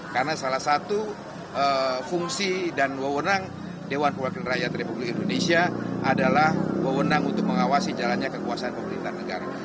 karena salah satu fungsi dan wewenang dewan pemerintahan rakyat republik indonesia adalah wewenang untuk mengawasi jalannya kekuasaan pemerintahan negara